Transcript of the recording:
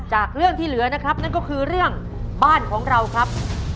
จากเรื่องที่เหลือนะครับนั่นก็คือเรื่องบ้านของเราครับ